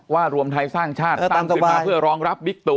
รวมไทยสร้างชาติตั้งขึ้นมาเพื่อรองรับบิ๊กตุ